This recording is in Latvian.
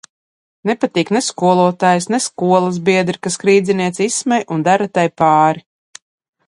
Nepatīk ne skolotājas, ne skolas biedri, kas rīdzinieci izsmej un dara tai pāri.